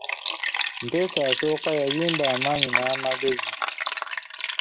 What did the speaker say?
Mutesa I yayimba amaanyi n'amagezi.